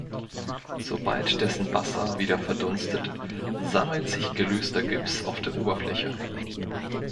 Sobald dessen Wasser wieder verdunstet, sammelt sich gelöster Gips auf der Oberfläche.